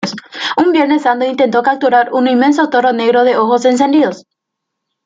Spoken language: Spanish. Un Viernes Santo, intentó capturar un inmenso toro negro de ojos encendidos.